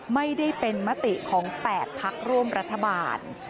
ไม่ได้เป็นมติของ๘พักร่วมรัฐบาล